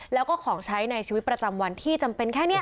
แล้วก็ของใช้ในชีวิตประจำวันที่จำเป็นแค่นี้